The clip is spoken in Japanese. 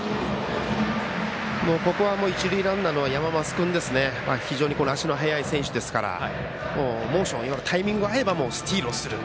ここはもう一塁ランナーの山増君非常に足の速い選手ですからモーション、タイミングが合えばスチールをする。